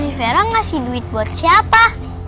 vera ngasih duit buat siapa